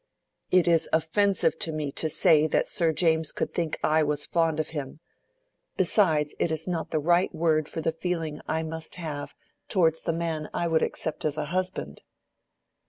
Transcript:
"It is offensive to me to say that Sir James could think I was fond of him. Besides, it is not the right word for the feeling I must have towards the man I would accept as a husband."